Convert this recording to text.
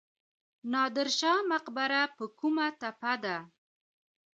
نادر شاه مقبره په کومه تپه ده؟